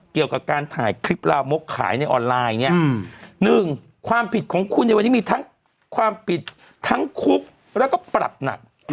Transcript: เกี่ยวกับการถ่ายคลิปลามกขายในออนไลน์เนี่ยหนึ่งความผิดของคุณในวันนี้มีทั้งความผิดทั้งคุกแล้วก็ปรับหนัก